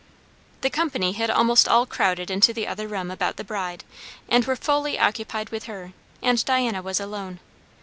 The company had almost all crowded into the other room about the bride, and were fully occupied with her; and Diana was alone.